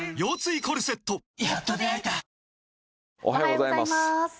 おはようございます。